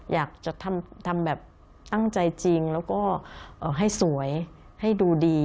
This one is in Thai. อยากจะทำแบบตั้งใจจริงแล้วก็ให้สวยให้ดูดี